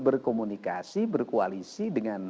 berkomunikasi berkoalisi dengan